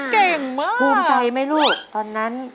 เก่งมากภูมิใจไหมลูกตอนนั้น